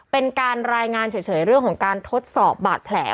เป็นการรายงานเฉยเรื่องของการทดสอบบาดแผล